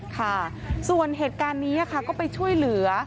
ค่ะส่วนเหตุการณ์นี้ค่ะก็ไปช่วยเหลือ